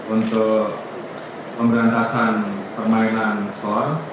untuk pemberantasan permainan kor